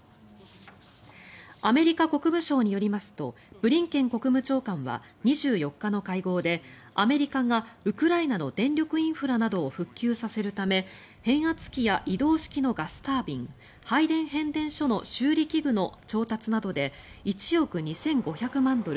アメリカ国務省によりますとブリンケン国務長官は２４日の会合でアメリカがウクライナの電力インフラなどを復旧させるため変圧器や移動式のガスタービン配電変電所の修理器具の調達などで１億２５００万ドル